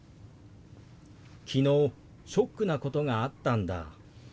「昨日ショックなことがあったんだ」。